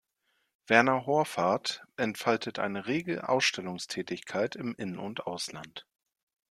Werner Horvath entfaltet eine rege Ausstellungstätigkeit im In- und Ausland.